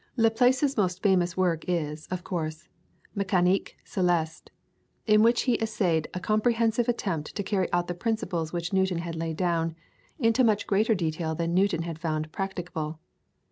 Laplace's most famous work is, of course, the "Mecanique Celeste," in which he essayed a comprehensive attempt to carry out the principles which Newton had laid down, into much greater detail than Newton had found practicable.